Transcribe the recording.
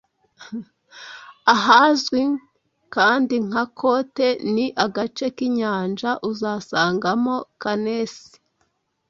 Ahazwi kandi nka Cote ni agace k'inyanja uzasangamo Canesi